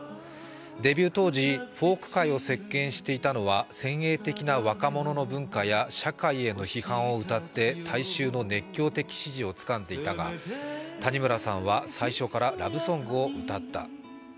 デビュー当時、フォーク界を席巻していたのは先鋭的な若者の文化や社会への批判を歌って、大衆の熱狂的支持をつかんでいたが、谷村さんは最初からラブソングを歌った。